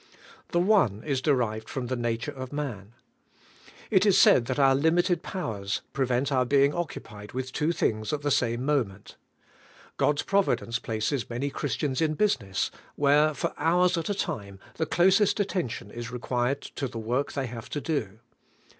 The one is derived from the nature of man. It is said that our limited powers prevent our being occu pied with two things at the same moment. God'^ providence places many Christians in business, where for hours at a time the closest attention is required to the work they have to do.